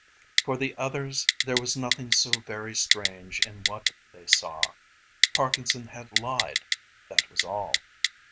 For the others there was nothing so very strange in what they saw; Parkinson had lied, that was all.